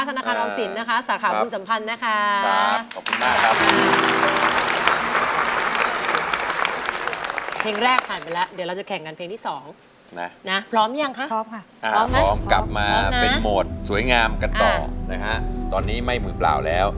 ธนาคารออมสินสาขาบุญสัมพันธ์นะคะ